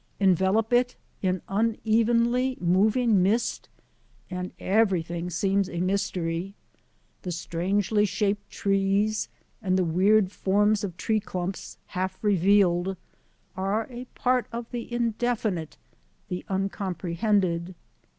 Envelop it in unevenly moving mist and everything seems a mystery. The strangely shaped trees and the weird forms of tree clumps half re vealed are a part of the indefinite, the uncom prehended.